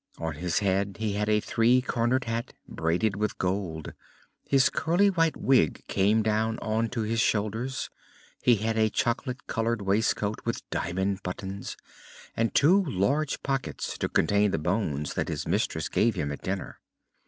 On his head he had a three cornered cap braided with gold, his curly white wig came down on to his shoulders, he had a chocolate colored waistcoat with diamond buttons, and two large pockets to contain the bones that his mistress gave him at dinner.